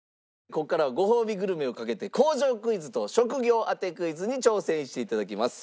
ここからはごほうびグルメをかけて工場クイズと職業当てクイズに挑戦していただきます。